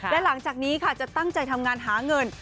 และหลังจากนี้ค่ะจะตั้งใจทำงานหาเงิน